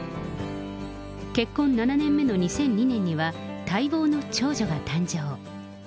結婚７年目の２００２年には、待望の長女が誕生。